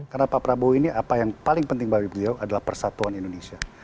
karena pak prabowo ini apa yang paling penting bagi beliau adalah persatuan indonesia